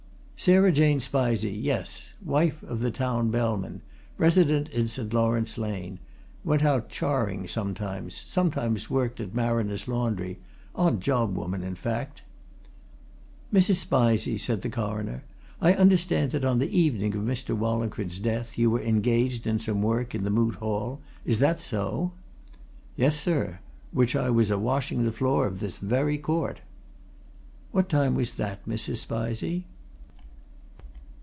Sarah Jane Spizey yes. Wife of the Town Bellman. Resident in St. Laurence Lane. Went out charing sometimes; sometimes worked at Marriner's Laundry. Odd job woman, in fact. "Mrs. Spizey," said the Coroner, "I understand that on the evening of Mr. Wallingford's death you were engaged in some work in the Moot Hall. Is that so?" "Yes, sir. Which I was a washing the floor of this very court." "What time was that, Mrs. Spizey?"